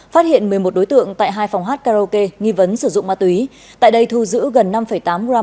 phát hiện một mươi một đối tượng tại hai phòng hát karaoke nghi vấn sử dụng ma túy tại đây thu giữ gần năm tám gram